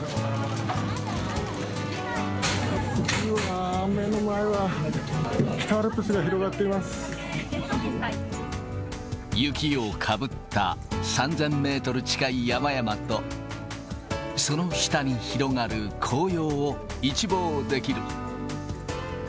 うわー、目の前は、北アルプ雪をかぶった３０００メートル近い山々と、その下に広がる紅葉を一望できる。